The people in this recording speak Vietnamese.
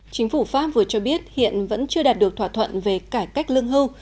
chính phủ pháp vừa cho biết hiện vẫn chưa đạt được thỏa thuận về cải cách lương hưu